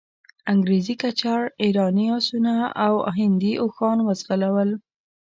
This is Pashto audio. انګریزي کچر، ایراني آسونه او هندي اوښان وځغلول.